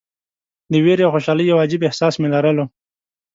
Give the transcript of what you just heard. د ویرې او خوشالۍ یو عجیب احساس مې لرلو.